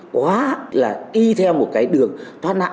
đi theo một cái đường thoát nạn